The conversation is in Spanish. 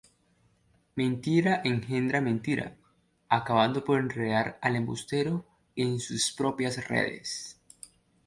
Mentira engendra mentira, acabando por enredar al embustero en sus propias redes.